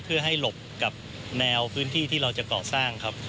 เพื่อให้หลบกับแนวพื้นที่ที่เราจะก่อสร้างครับ